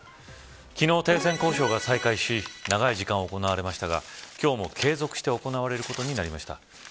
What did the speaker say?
昨日、停戦交渉が再開し長い時間行われましたが今日も継続して行われることになりました。